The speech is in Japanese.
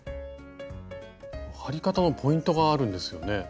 張り方のポイントがあるんですよね？